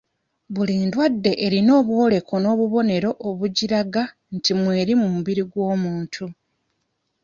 Buli ndwadde erina obwoleko n'obubonero obugiraga nti mweri mu mubiri gw'omuntu.